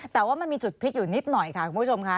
แต่ว่ามันมีจุดพลิกอยู่นิดหน่อยค่ะคุณผู้ชมค่ะ